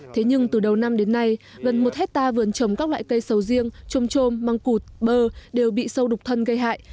thế nhưng từ đầu năm đến nay gần một hectare vườn trồng các loại cây sầu riêng trôm trôm măng cụt bơ đều bị sâu đục thân gây hại